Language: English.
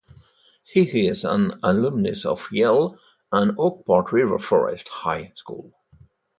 He is an alumnus of Yale and Oak Park River Forest High School.